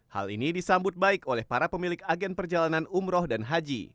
hal ini disambut baik oleh para pemilik agen perjalanan umroh dan haji